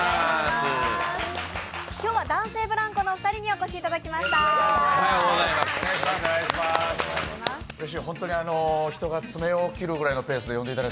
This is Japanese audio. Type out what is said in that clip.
今日は男性ブランコのお二人にお越しいただきました。